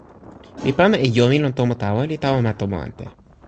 mi pana e jo mi lon tomo tawa li tawa ma tomo ante.